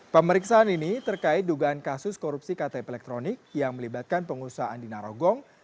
pemeriksaan ini terkait dugaan kasus korupsi ktp elektronik yang melibatkan pengusaha andi narogong